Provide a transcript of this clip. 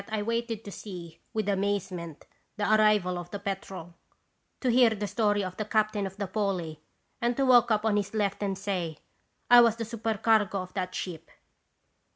I waited to see, with amazement, the arrival of the Petrel, to hear the story of the captain of the Polly, and to walk up on his left and say: " 'I was the supercargo of that ship.'